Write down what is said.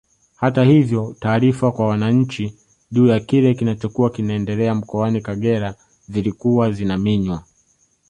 Hata hivyo taarifa kwa wananchi juu ya kile kilichokuwa kinaendelea mkoani Kagera zilikuwa zinaminywa